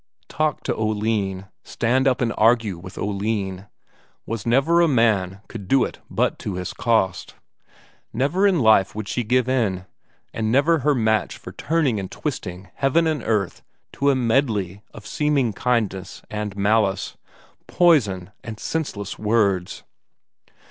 Talk to Oline, stand up and argue with Oline! Was never a man could do it but to his cost. Never in life would she give in, and never her match for turning and twisting heaven and earth to a medley of seeming kindness and malice, poison and senseless words.